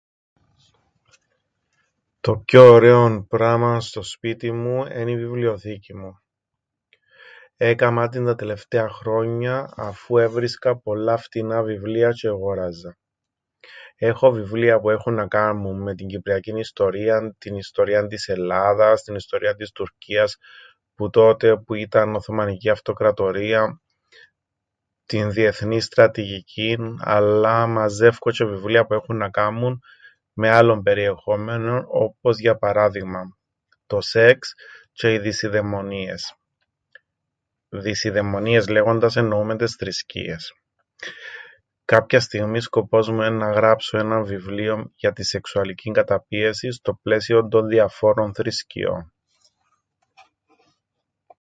Το πιο ωραίον πράμαν στο σπίτιν μου εν' η βιβλιοθήκη μου. Έκαμαν την τα τελευταία χρόνια, αφού έβρισκα πολλά φτηνά βιβλία τζ̆ι εγόραζα. Έχω βιβλία που έχουν να κάμουν με την κυπριακήν ιστορίαν, την ιστορίαν της Ελλάδας, την ιστορίαν της Τουρκίας, που τότε που ήταν Οθωμανική Αυτοκρατορία, την διεθνήν στρατηγικήν... Αλλά, μαζεύκω τζ̆αι βιβλία που έχουν να κάμουν με άλλον περιεχόμενον, όπως για παράδειγμαν το σεξ τζ̆αι οι δεισιδαιμονίες: δεισιδαιμονίες λέγοντας, εννοούμεν τες θρησκείες. Κάποιαν στιγμήν, σκοπός μου εν' να γράψω έναν βιβλίον για την σεξουαλικήν καταπίεσην στο πλαίσιον των διαφόρων θρησκειών.